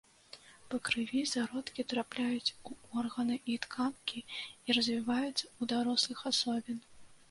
Па крыві зародкі трапляюць у органы і тканкі і развіваюцца ў дарослых асобін.